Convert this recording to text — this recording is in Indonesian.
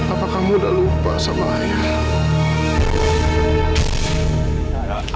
apa kamu udah lupa sama ayah